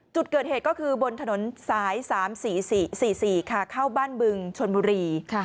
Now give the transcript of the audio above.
จุดเกิดเหตุก็คือบนถนนสาย๓๔๔ค่ะเข้าบ้านบึงชนบุรี